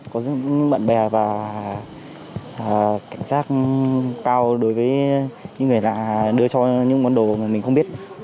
có những bạn bè và cảnh sát cao đối với những người đã đưa cho những món đồ mà mình không biết